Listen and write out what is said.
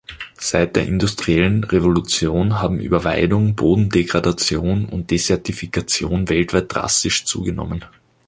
Seit der industriellen Revolution haben Überweidung, Bodendegradation und Desertifikation weltweit drastisch zugenommen.